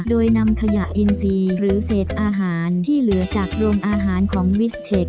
โดยนำขยะอินซีหรือเศษอาหารที่เหลือจากโรงอาหารของมิสเทค